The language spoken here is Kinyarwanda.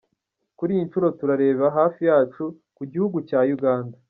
Kuri iyi nshuro turareba hafi yacu, ku gihugu cya Uganda.